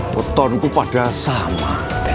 wotonku pada sama